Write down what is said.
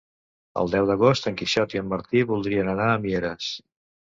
El deu d'agost en Quixot i en Martí voldrien anar a Mieres.